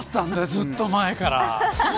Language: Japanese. ずっと前から。